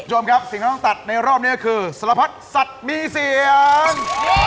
จมครับสิ่งที่เราต้องตัดในรอบนี้คือสารพัดสัตว์มีเสียง